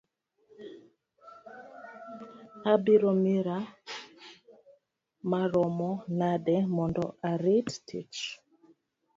Abiro mira maromo nade mondo arit tich?